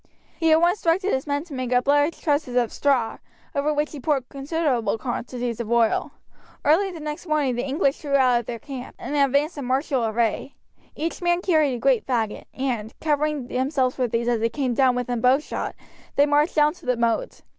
He at once directed his men to make up large trusses of straw, over which he poured considerable quantities of oil. Early the next morning the English drew out of their camp, and advanced in martial array. Each man carried a great faggot, and, covering themselves with these as they came within bowshot, they marched down to the moat.